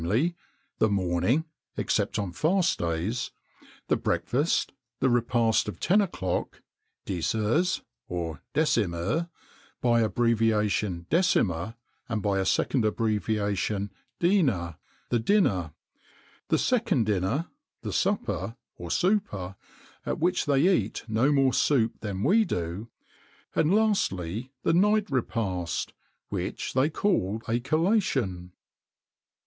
the morning (except on fast days), the breakfast; the repast of ten o'clock, (dix heures, or the décimheure; by abbreviation décimer, and by a second abbreviation, dîner) the dinner; the second dinner, the supper (souper), at which they eat no more soup than we do; and lastly, the night repast, which they called a collation.